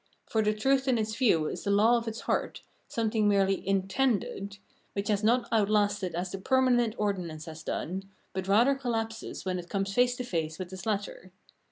For the truth in its view is the law of its heart, something merely intended, which has not outlasted as the per manent ordinance has done, but rather collapses when it comes face to face with this latter.